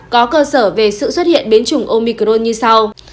có cơ sở về sự xuất hiện biến chủng omicron như sau